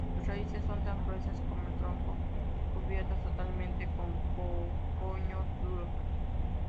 Sus raíces son tan gruesas como el tronco, cubiertas totalmente con cogollos duros.